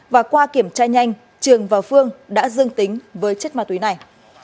và qua kiểm tra nhanh trường và phương đã dương tính với chất ma túy này